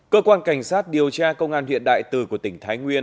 cơ quan cảnh sát điều tra công an huyện đại từ của tỉnh thái nguyên